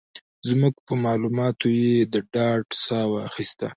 زموږ په مالوماتو یې د ډاډ ساه واخيسته.